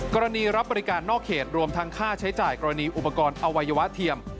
รับบริการนอกเขตรวมทั้งค่าใช้จ่ายกรณีอุปกรณ์อวัยวะเทียม